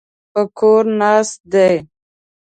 په کور ناست دی.